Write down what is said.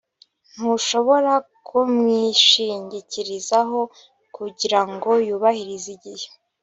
Ntushobora kumwishingikirizaho kugirango yubahirize igihe